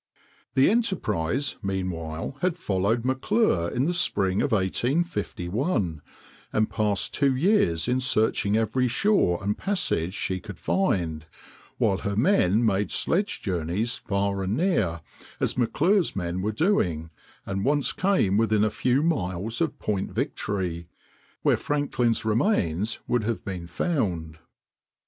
The Enterprise meanwhile had followed M'Clure in the spring of 1851, and passed two years in searching every shore and passage she could find, while her men made sledge journeys far and near, as M'Clure's men were doing, and once came within a few miles of Point Victory, where Franklin's remains would have been found.